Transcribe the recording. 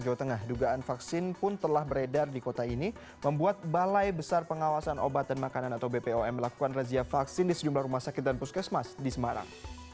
jawa tengah dugaan vaksin pun telah beredar di kota ini membuat balai besar pengawasan obat dan makanan atau bpom melakukan razia vaksin di sejumlah rumah sakit dan puskesmas di semarang